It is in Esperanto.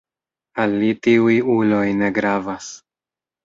Al li tiuj uloj ne gravas.